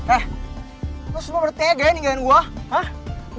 eh lo semua berantekan nih gawain gue